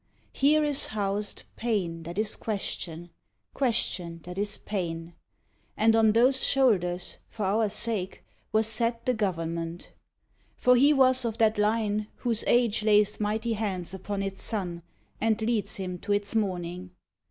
Here is housed Pain that is question, question that is pain, And on those shoulders, for our sake, was set The Government. For he was of that line Whose Age lays mighty hands upon its son And leads him to its morning.